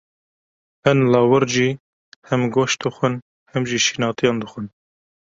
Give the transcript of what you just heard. Hin lawir jî, hem goşt dixwin, hem jî şînatiyan dixwin.